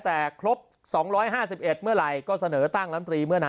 แต่ครบสองร้อยห้าสิบเอ็ดเมื่อไหร่ก็เสนอตั้งร้ำตรีเมื่อนั้น